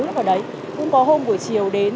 vào đấy cũng có hôm buổi chiều đến